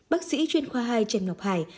bác sĩ chuyên khoa hai trần ngọc hải